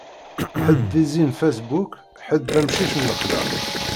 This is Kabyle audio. Ḥedd d izi n Facebook, ḥedd d amcic n lexla.